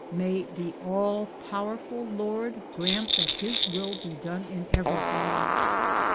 May the all powerful Lord grant that His will be done in everything.